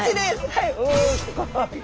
はい。